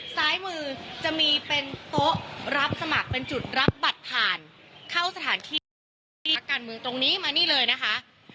ซ้ายมือจะมีเป็นโต๊ะรับสมัครเป็นจุดรับบัตรผ่านเข้าสถานที่การเมืองตรงนี้มานี่เลยนะคะ